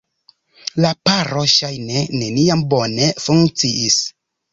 La paro ŝajne neniam bone funkciis.